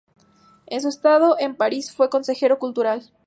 En su estada en París fue Consejero Cultural.